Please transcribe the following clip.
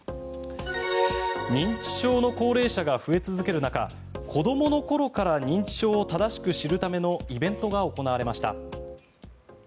認知症の高齢者が増え続ける中子どもの頃から認知症を正しく知るためのイベントが行われました。